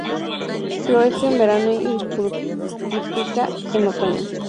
Florece en verano y fructifica en otoño.